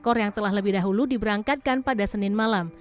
lima belas ekor yang telah lebih dahulu diberangkatkan pada senin malam